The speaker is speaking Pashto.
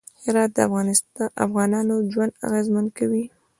هرات د افغانانو ژوند اغېزمن کوي.